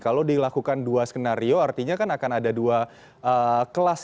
kalau dilakukan dua skenario artinya kan akan ada dua kelas